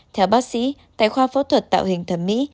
theo bác sĩ tại khoa phẫu thuật tạo hình thẩm mỹ